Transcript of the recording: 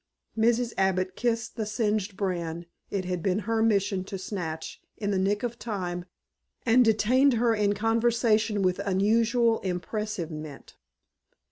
Mrs. Abbott kissed the singed brand it had been her mission to snatch in the nick of time and detained her in conversation with unusual empressement.